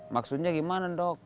maksudnya gimana dok